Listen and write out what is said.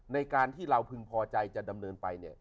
ในการที่เราพึงพอใจจะดำเนินไปเนี่ย